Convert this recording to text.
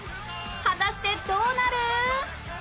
果たしてどうなる？